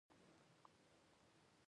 خوب د ذهن تازه ګلزار دی